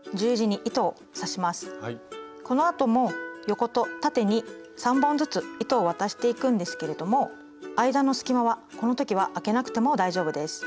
このあとも横と縦に３本ずつ糸を渡していくんですけれども間の隙間はこの時はあけなくても大丈夫です。